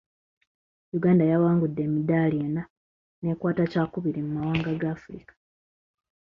Yuganda yawangudde emidaali enna, n'ekwata kyakubiri mu mawanga ga Africa.